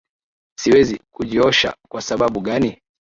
Siwezi kujiosha kwa sababu gani.